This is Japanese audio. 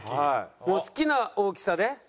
お好きな大きさで。